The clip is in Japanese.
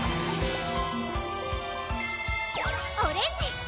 オレンジ！